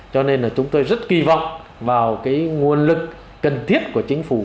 cho nên là chúng tôi rất kỳ vọng vào cái nguồn lực cần thiết của chính phủ